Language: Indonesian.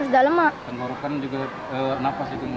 dan lurukan juga nafas juga